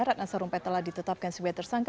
ratna sarumpait telah ditetapkan sebagai tersangka